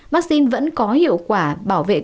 vaccine vẫn có hiệu quả bảo vệ cơ thể